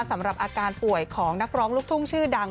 สำหรับอาการป่วยของนักร้องลูกทุ่งชื่อดัง